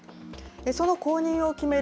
その後任を決める